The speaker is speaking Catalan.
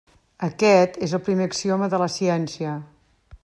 Aquest és el primer axioma de la ciència.